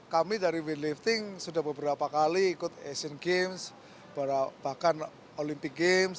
kami dari winlifting sudah beberapa kali ikut asian games bahkan olympic games